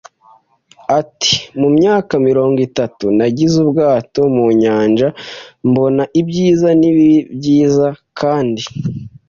Ati: "Mu myaka mirongo itatu, nagize ubwato mu nyanja mbona ibyiza n'ibibi, byiza kandi